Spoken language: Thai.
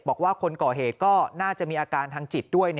บอกว่าคนก่อเหตุก็น่าจะมีอาการทางจิตด้วย